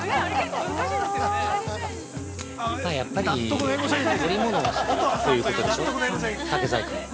◆やっぱり織物をするということでしょ、竹細工も。